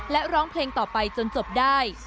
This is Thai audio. และร้องเพลงต่อไปจนจบได้